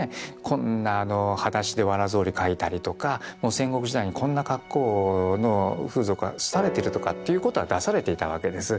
こんなはだしでわら草履描いたりとか戦国時代にこんな格好の風俗は廃れてるとかっていうことは出されていたわけです。